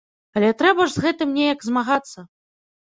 Але трэба ж з гэтым неяк змагацца.